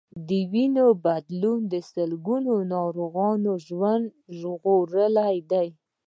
د وینې بدلېدل د سلګونو ناروغانو ژوند ژغورلی دی.